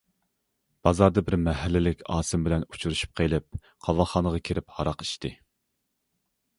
بازاردا بىر مەھەللىلىك ئاسىم بىلەن ئۇچرىشىپ قېلىپ قاۋاقخانىغا كىرىپ ھاراق ئىچتى.